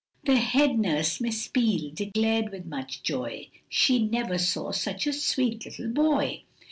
The head nurse Miss Peel, declared with much joy, She never saw such a sweet little boy.